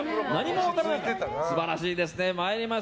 素晴らしいですね。